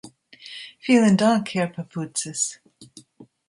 Vielen Dank, Herr Papoutsis.